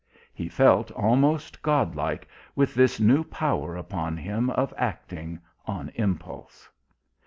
He felt almost godlike with this new power upon him of acting, on impulse.